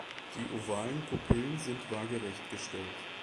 Die ovalen Pupillen sind waagerecht gestellt.